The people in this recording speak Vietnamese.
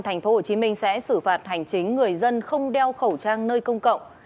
thành phố hồ chí minh sẽ xử phạt hành chính người dân không đeo khẩu trang nơi công cộng